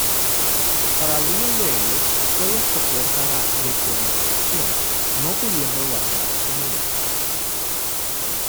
Para algunos de ellos sólo soporta la decodificación, no pudiendo guardar en ellos.